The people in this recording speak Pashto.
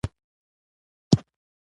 مېلې خلک یو له بله زده کړي کولو ته هڅوي.